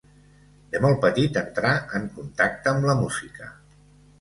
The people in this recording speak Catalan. De molt petit entrà en contacte amb la música.